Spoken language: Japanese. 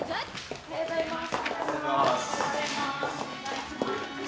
おはようございます。